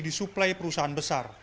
disuplai perusahaan besar